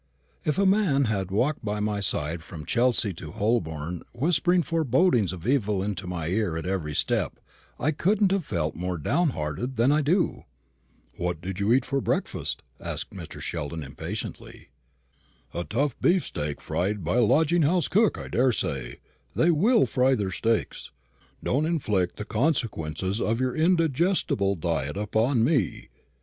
If a man had walked by my side from Chelsea to Holborn whispering forebodings of evil into my ear at every step, I couldn't have felt more downhearted than I do." "What did you eat for breakfast?" asked Mr. Sheldon impatiently. "A tough beefsteak fried by a lodging house cook, I daresay they will fry their steaks. Don't inflict the consequences of your indigestible diet upon me.